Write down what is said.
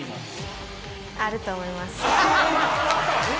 あると思います。